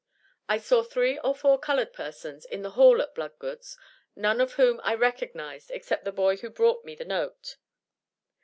I saw three or four colored persons in the hall at Bloodgood's, none of whom I recognized except the boy who brought me the note.